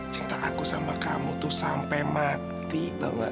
cinta aku sama kamu tuh sampai mati tau gak